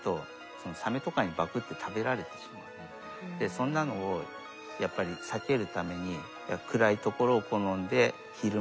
そんなのをやっぱり避けるために暗いところを好んで昼間は潜ってると。